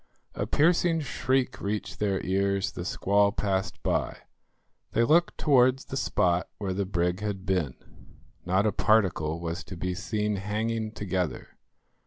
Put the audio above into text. A piercing shriek reached their ears, the squall passed by. They looked towards the spot where the brig had been. Not a particle was to be seen hanging together.